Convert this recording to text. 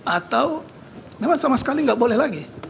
atau memang sama sekali nggak boleh lagi